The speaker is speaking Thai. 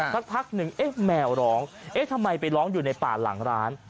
สักพักหนึ่งเอ๊ะแมวร้องเอ๊ะทำไมไปร้องอยู่ในป่าหลังร้าน